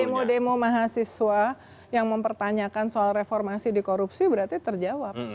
demo demo mahasiswa yang mempertanyakan soal reformasi di korupsi berarti terjawab